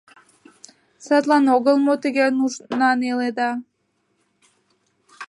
Садлан огыл мо тыге нужнан иледа?